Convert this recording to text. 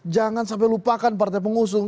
jangan sampai lupakan partai pengusung